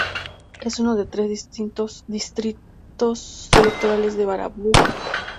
Es uno de tres distritos electorales de Vavaʻu.